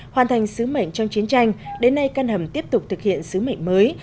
hoàn thành sứ mệnh trong chiến tranh đến nay căn hầm tiếp tục thực hiện sứ mệnh mới